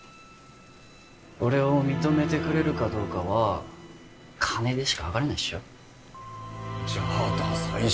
俺を認めてくれるかどうかは金でしかはかれないっしょじゃあダサい